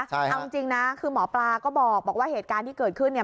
เอาจริงนะคือหมอปลาก็บอกว่าเหตุการณ์ที่เกิดขึ้นเนี่ย